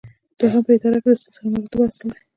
دوهم په اداره کې د سلسله مراتبو اصل دی.